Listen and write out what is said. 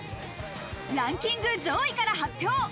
ランキング上位から発表。